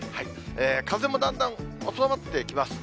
風もだんだん収まってきます。